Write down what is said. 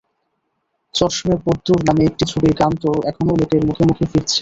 চশমে বদ্দুর নামে একটি ছবির গান তো এখনো লোকের মুখে মুখে ফিরছে।